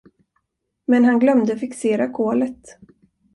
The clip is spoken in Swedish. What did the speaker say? Men han glömde fixera kolet.